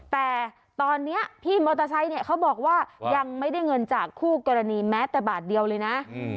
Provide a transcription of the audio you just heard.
แต่ตอนนี้พี่มอเตอร์ไซค์เนี่ยเขาบอกว่ายังไม่ได้เงินจากคู่กรณีแม้แต่บาทเดียวเลยนะ